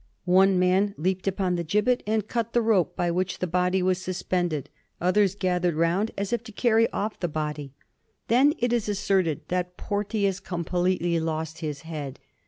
One man leaped upon the gibbet and cut the rope by which the body was sus pended; others gathered round as if to carry off the body. Then it is asserted that Porteous completely lost his head.